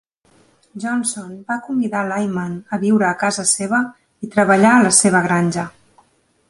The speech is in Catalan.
Johnson va convidar Lyman a viure a casa seva i treballar a la seva granja.